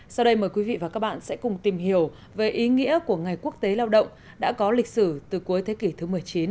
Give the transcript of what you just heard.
sau đây mời quý vị và các bạn sẽ cùng tìm hiểu về ý nghĩa của ngày quốc tế lao động đã có lịch sử từ cuối thế kỷ thứ một mươi chín